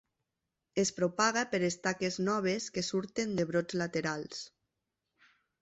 Es propaga per estaques noves que surten de brots laterals.